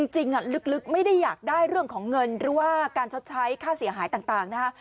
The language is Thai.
ลึกไม่ได้อยากได้เรื่องของเงินหรือว่าการชดใช้ค่าเสียหายต่างนะฮะ